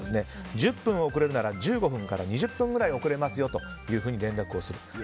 １０分遅れるなら１５分から２０分ぐらい遅れますと連絡する。